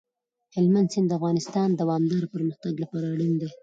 هلمند سیند د افغانستان د دوامداره پرمختګ لپاره اړین دی.